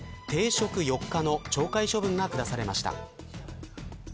停職４日の懲戒処分が下されました。